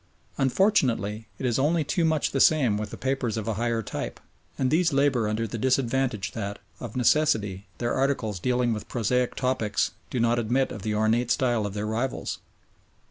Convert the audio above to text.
Unfortunately it is only too much the same with the papers of a higher type, and these labour under the disadvantage that, of necessity, their articles dealing with prosaic topics do not admit of the ornate style of their rivals.